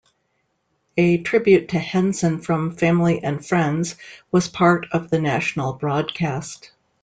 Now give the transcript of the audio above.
A tribute to Henson from family and friends was part of the national broadcast.